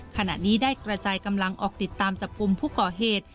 ขณะนี้ได้กระจายกำลังออกติดตามจับกลุ่มผู้ก่อเหตุ